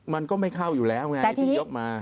มันก็ไม่เข้าอยู่แล้วไงถึงยกมา